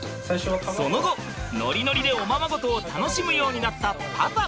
その後ノリノリでおままごとを楽しむようになったパパ！